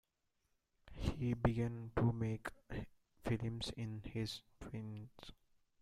He began to make films in his teens.